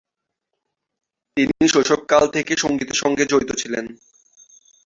তিনি শৈশবকাল থেকে সঙ্গীতের সঙ্গে জড়িত ছিলেন।